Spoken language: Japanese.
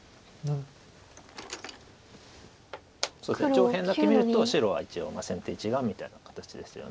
上辺だけ見ると白は一応先手１眼みたいな形ですよね。